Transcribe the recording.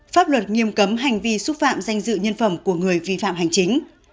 pháp luật nghiêm cấm hành vi xúc phạm danh dự nhân phẩm của người vi phạm hành chính